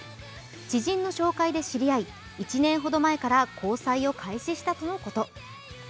知人の紹介で知り合い、１年ほど前から交際を開始したとのこと。